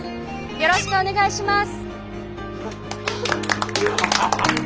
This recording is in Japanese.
よろしくお願いします！